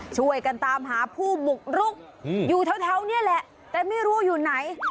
ช่วยกันตามหาผู้บุกรุกอยู่แถวนี่แหละแต่ไม่รู้อยู่ไหน